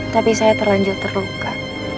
tapi saya terlanjur terluka